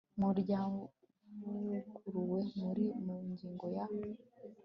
mu ryavuguruwe muri mu ngingo ya